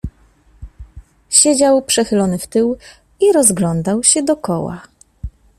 "Siedział, przechylony w tył i rozglądał się dokoła."